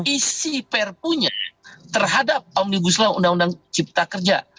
isi perpunya terhadap omnibusulang undang undang cipta kerja